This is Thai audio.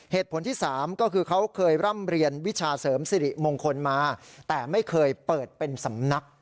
เหตุผลที่๓ก็คือเขาเคยร่ำเรียนวิชาเสริมสิริมงคลมาแต่ไม่เคยเปิดเป็นสำนัก